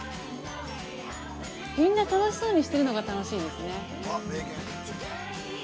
みんな楽しそうにしてるのが楽しいですね。